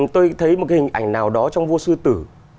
tôi thấy một cái hình ảnh nào đó trong vua sư tử